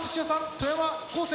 富山高専